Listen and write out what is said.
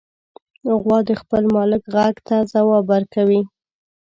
غوا د خپل مالک غږ ته ځواب ورکوي.